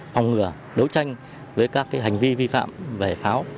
phòng ngừa đấu tranh với các hành vi vi phạm về pháo